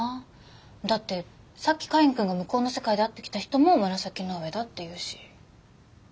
だってさっきカインくんが向こうの世界で会ってきた人も紫の上だっていうし。